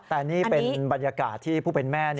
แต่นี่เป็นบรรยากาศที่ผู้เป็นแม่